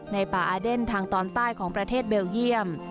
ในป่าอาเดนทางตอนใต้ของประเทศเบลเยี่ยม